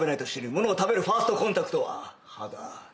物を食べるファーストコンタクトは歯だ。